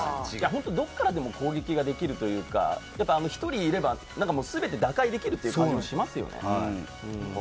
どこからでも攻撃ができるというか、１人いれば、全て打開できるっていう感じがしますよね。